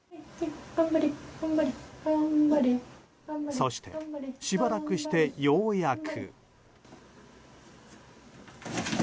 そして、しばらくしてようやく。